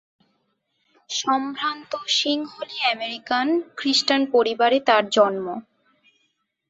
সম্ভ্রান্ত সিংহলী-আমেরিকান খ্রিস্টান পরিবারে তার জন্ম।